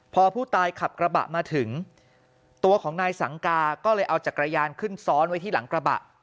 พอผู้ตายขับกระบะมาถึงตัวของนายสังกาก็เลยเอาจักรยานขึ้นซ้อนไว้ที่หลังกระบะ